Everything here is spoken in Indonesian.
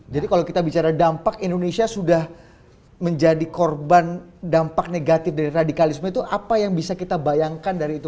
jadi kalau kita bicara dampak indonesia sudah menjadi korban dampak negatif dari radikalisme itu apa yang bisa kita bayangkan dari itu